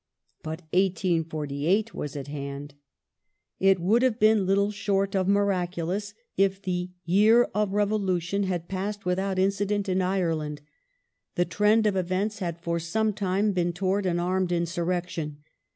But 1848 was at hand. " Young It would have been little short of miraculous if the " Year of amicus Revolution " had passed without incident in Ireland. The trend of events had for some time been towards an armed insurrection.